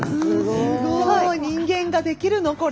すごい！人間ができるの？